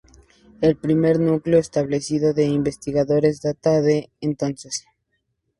El primer núcleo establecido de investigadores data de entonces.